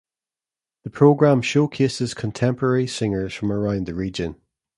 The program showcases contemporary singers from around the region.